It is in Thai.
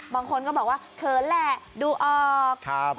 บางคนก็บอกว่าเขินแหละดูออก